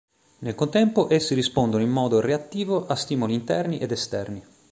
Nel contempo essi rispondono in modo reattivo a stimoli interni ed esterni.